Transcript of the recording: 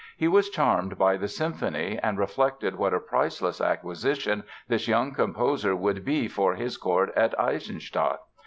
He was charmed by the symphony and reflected what a priceless acquisition this young composer would be for his court at Eisenstadt.